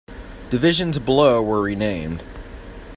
Divisions below were renamed.